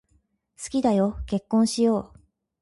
好きだよ、結婚しよう。